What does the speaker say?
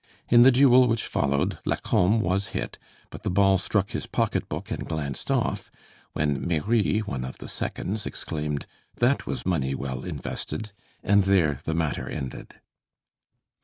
In the duel which followed, Lacombe was hit, but the ball struck his pocket book and glanced off, when Méry, one of the seconds, exclaimed, "That was money well invested!" and there the matter ended.